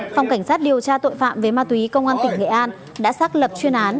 phòng cảnh sát điều tra tội phạm về ma túy công an tỉnh nghệ an đã xác lập chuyên án